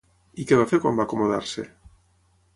I què va fer quan va acomodar-se?